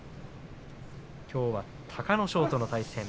きょうは隆の勝との対戦。